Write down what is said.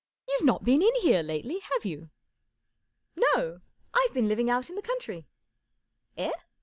You've not been in here lately, have you ?" ,f No. I've been living out in the country/* " Eh